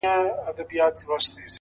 هغه به څرنګه بلا وویني؛